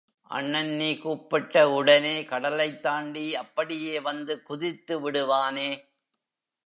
அண்ணன் நீ கூப்பிட்ட உடனே கடலைத் தாண்டி அப்படியே வந்து குதித்து விடுவானே?